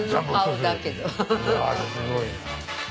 うわすごいな。